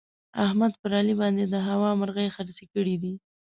احمد پر علي باندې د هوا مرغۍ خرڅې کړې دي.